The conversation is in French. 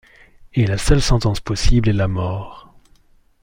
Et la seule sentence possible est la mort.